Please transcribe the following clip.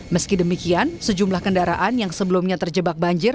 meski demikian sejumlah kendaraan yang sebelumnya terjebak banjir